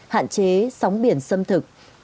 hạn chế sóng biển xâm thực